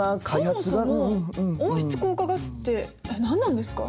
そもそも温室効果ガスって何なんですか？